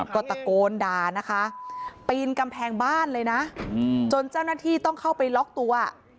ก็ตะโกนด่านะคะปีนกำแพงบ้านเลยนะจนเจ้าหน้าที่ต้องเข้าไปล็อกตัว